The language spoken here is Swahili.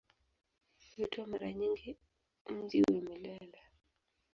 Huitwa mara nyingi "Mji wa Milele".